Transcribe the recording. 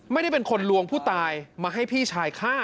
ไม่ได้เป็นคนลวงผู้ตายมาให้พี่ชายฆ่า